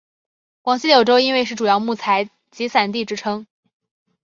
广西柳州因为是主要木材集散地之称。